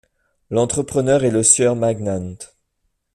L’entrepreneur est le sieur Magnant.